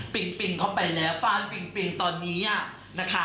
ปิงปิงเขาไปแล้วฟานปิงปิงตอนนี้อะ